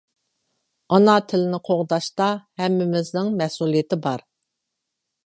ئانا تىلنى قوغداشتا ھەممىمىزنىڭ مەسئۇلىيىتى بار.